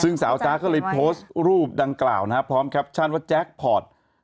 ซึ่งสาวจ๊ะก็เลยโพสต์รูปดังกล่าวนะครับพร้อมแคปชั่นว่าแจ็คพอร์ต